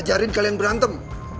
jika kalian berantem